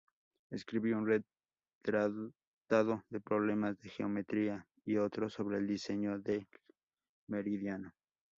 Escribió un tratado de problemas de geometría y otro sobre el diseño del meridiano.